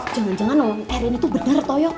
jangan jangan orang terini tuh bener toyo